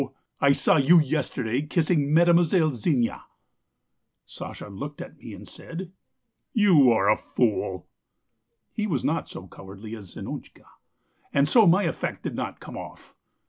I saw you yesterday kissing Mademoiselle Zina!' "Sasha looked at me and said: "'You are a fool.' "He was not so cowardly as Zinotchka, and so my effect did not come off.